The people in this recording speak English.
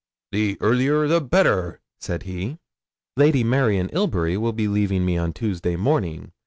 '"The earlier the better," said he. '"Lady Mary and Ilbury will be leaving me on Tuesday morning.